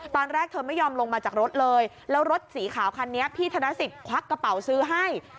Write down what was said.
ตอนแรกเธอไม่ยอมลงมาจากรถเลยแล้วรถสีขาวคันนี้พี่ธนสิทธิควักกระเป๋าซื้อให้